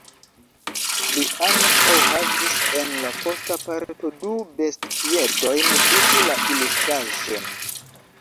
Li ankaŭ havis en la posta parto du bestpiedojn vidu la ilustraĵon.